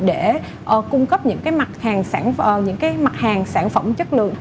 để cung cấp những cái mặt hàng sản phẩm chất lượng